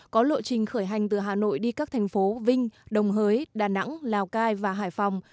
có lộ trình khởi hành từ hà nội đi các thành phố vinh đồng hới đà nẵng lào cai và hải phòng